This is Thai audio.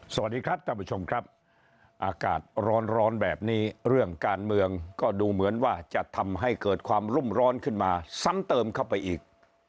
สวัสดีครับท่านผู้ชมครับอากาศร้อนแบบนี้เรื่องการเมืองก็ดูเหมือนว่าจะทำให้เกิดความรุ่มร้อนขึ้นมาซ้ำเติมเข้าไปอีก